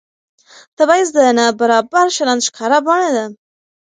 تبعیض د نابرابر چلند ښکاره بڼه ده